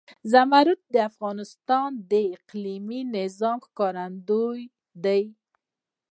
زمرد د افغانستان د اقلیمي نظام ښکارندوی ده.